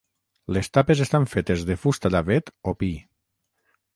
Les tapes estan fetes de fusta d'avet o pi.